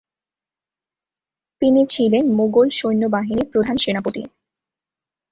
তিনি ছিলেন মোগল সৈন্যবাহিনীর প্রধান সেনাপতি।